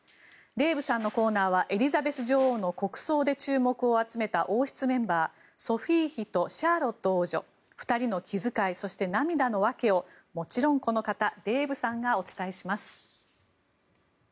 デーブさんのコーナーはエリザベス女王の国葬で注目を集めた王室メンバーソフィー妃とシャーロット王女２人の気遣い、そして涙の訳をもちろんこの方デーブさんがお伝えします。